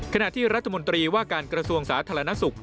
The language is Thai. ขณะที่รัฐมนตรีว่าการกระทรวงสาธารณสุข